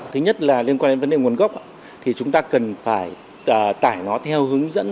thứ nhất là liên quan đến vấn đề nguồn gốc thì chúng ta cần phải tải nó theo hướng dẫn